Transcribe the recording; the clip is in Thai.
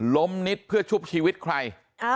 ล้มนิดเพื่อชุบชีวิตใคร